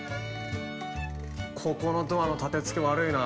ここのドアの立てつけ悪いな。